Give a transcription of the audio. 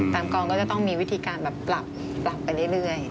กองก็จะต้องมีวิธีการแบบปรับไปเรื่อย